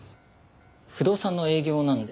不動産の営業なので。